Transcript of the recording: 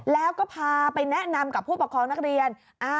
แล้วก็พาไปแนะนำกับผู้ปกครองนักเรียน